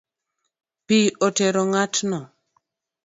Pi otero ng’atno